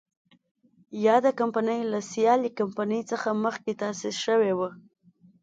یاده کمپنۍ له سیالې کمپنۍ څخه مخکې تاسیس شوې وه.